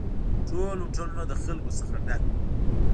ټول هوټلونه له خلکو څخه ډک وي